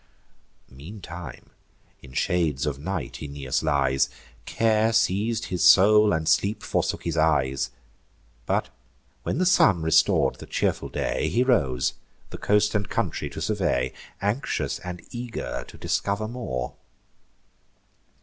Meantime, in shades of night Aeneas lies: Care seiz'd his soul, and sleep forsook his eyes. But, when the sun restor'd the cheerful day, He rose, the coast and country to survey, Anxious and eager to discover more.